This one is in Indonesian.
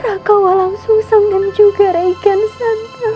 raka walang susam dan juga reikian santel